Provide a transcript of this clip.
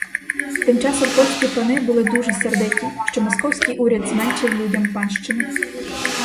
Тим часом польські пани були дуже сердиті, що московський уряд зменшив людям панщину.